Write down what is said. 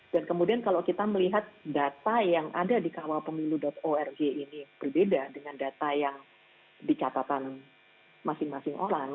dan kemudian kalau kita melihat data yang ada di kawalpemilu org ini berbeda dengan data yang dicatatan masing masing orang